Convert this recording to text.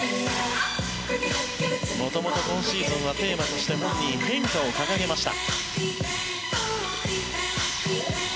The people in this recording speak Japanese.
元々、今シーズンはテーマとして本人、変化を掲げました。